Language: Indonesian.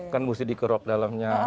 kan mesti dikerob dalamnya